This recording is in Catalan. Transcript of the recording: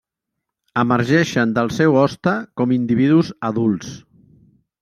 Emergeixen del seu hoste com individus adults.